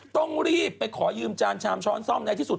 ต้องรีบไปขอยืมจานชามช้อนซ่อมในที่สุด